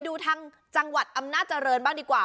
ดูทางจังหวัดอำนาจเจริญบ้างดีกว่า